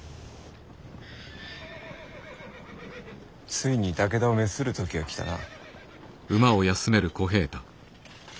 ついに武田を滅する時が来たな。